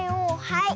はい。